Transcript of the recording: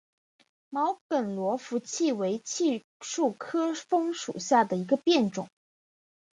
毛梗罗浮槭为槭树科枫属下的一个变种。